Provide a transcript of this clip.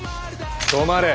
止まれ。